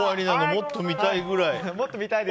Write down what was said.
もっと見たいぐらい。